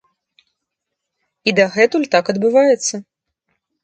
І дагэтуль так адбываецца!